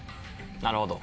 なるほど。